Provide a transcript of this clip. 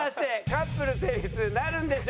カップル成立です！